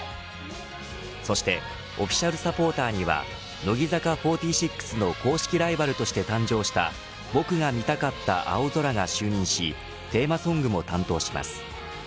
そしてオフィシャルサポーターには乃木坂４６の公式ライバルとして誕生した僕が見たかった青空が就任しテーマソングも担当します。